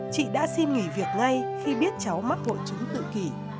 chị đã xin nghỉ việc ngay khi biết cháu mắc hội chứng tự kỷ